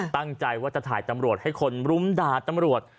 ตั้งใจว่าจะถ่ายตำรวจให้คนรุมด่าตำรวจ